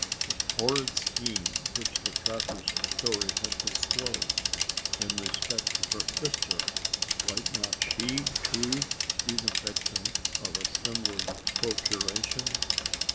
The horrid scheme which the trapper's story had disclosed in respect to her sister might not she, too, be the victim of a similar procuration?